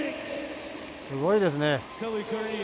すごいですね。